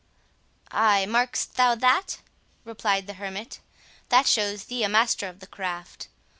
"Ay, mark'st thou that?" replied the hermit; "that shows thee a master of the craft.